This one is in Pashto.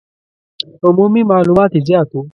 عمومي معلومات یې زیات وو.